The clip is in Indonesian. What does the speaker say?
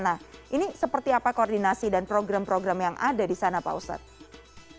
nah ini seperti apa koordinasi dan program program yang ada di sana pak ustadz